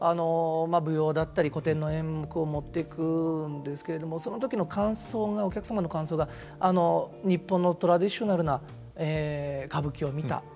舞踊だったり古典の演目を持っていくんですけれどもその時の感想がお客様の感想が「日本のトラディショナルな歌舞伎を見た」